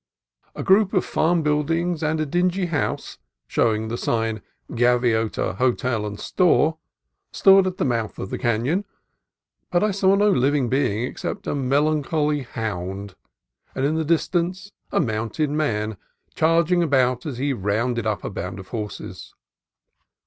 A group of farm buildings and a dingy house showing the sign "Ga viota Hotel and Store" stood at the mouth of the canon, but I saw no living being except a melan choly hound and, in the distance, a mounted man charging about as he rounded up a band of horses.